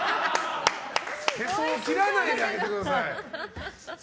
へそを切らないで上げてください。